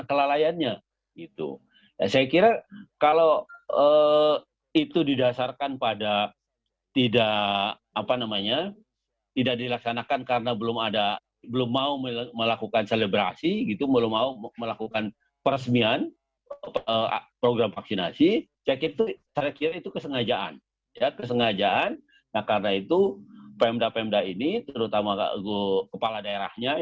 kesengajaan karena itu pemda pemda ini terutama kepala daerahnya